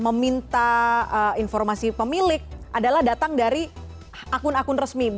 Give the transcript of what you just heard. meminta informasi pemilik adalah datang dari akun akun resmi